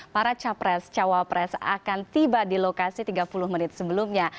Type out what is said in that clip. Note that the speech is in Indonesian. para capres cawapres akan tiba di lokasi tiga puluh menit sebelumnya